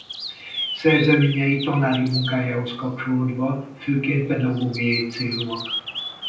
Szerzeményei tanári munkájához kapcsolódva főként pedagógiai célúak.